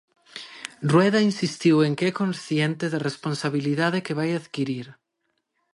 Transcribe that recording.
Rueda insistiu en que é consciente da responsabilidade que vai adquirir.